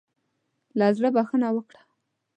له زړۀ بخښنه وکړه.